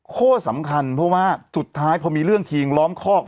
ข้อสำคัญเพราะว่าสุดท้ายพอมีเรื่องทีมล้อมคอก